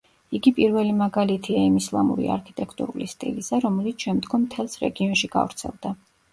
იგი პირველი მაგალითია იმ ისლამური არქიტექტურული სტილისა, რომელიც შემდგომ მთელს რეგიონში გავრცელდა.